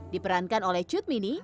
diperankan oleh cutmini